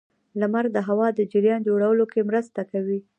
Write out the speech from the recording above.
• لمر د هوا د جریان جوړولو کې مرسته کوي.